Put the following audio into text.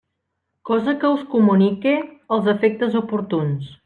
Cosa que us comunique als efectes oportuns.